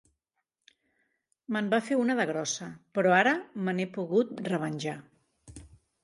Me'n va fer una de grossa, però ara me n'he pogut revenjar.